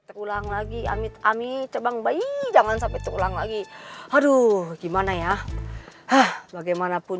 terulang lagi amit ami terbang bayi jangan sampai terulang lagi aduh gimana ya bagaimanapun